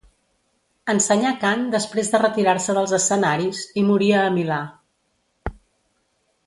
Ensenyà cant després de retirar-se dels escenaris i moria a Milà.